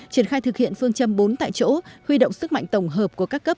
triển khai thực hiện phương châm bốn tại chỗ huy động sức mạnh tổng hợp của các cấp